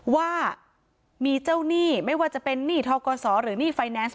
ว่ามีเจ้าหนี้ไม่ว่าจะเป็นหนี้ทกศหรือหนี้ไฟแนนซ์